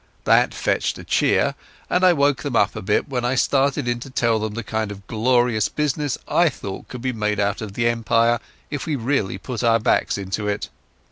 That fetched a cheer, and I woke them up a bit when I started in to tell them the kind of glorious business I thought could be made out of the Empire if we really put our backs into it.